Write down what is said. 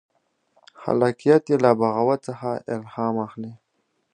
خلاقیت یې له بغاوت څخه الهام اخلي.